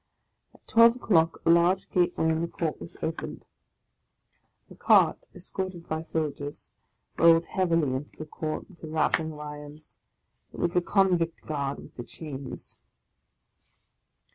At twelve o'clock, a large gateway in the court was opened 56 THE LAST DAY A cart, escorted by soldiers, rolled heavily into the court, with a rattling of irons. It was the Convict guard with the chains.